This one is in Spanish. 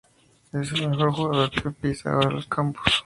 Es el mejor jugador que pisa ahora los campos"".